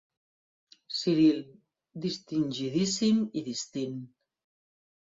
Ciril, distingidíssim i distint.